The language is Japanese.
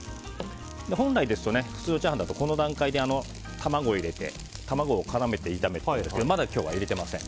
本来ですと普通のチャーハンですとこの段階で卵を入れて卵を絡めて炒めるんですけどまだ今日は入れていません。